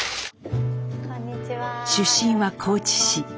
出身は高知市。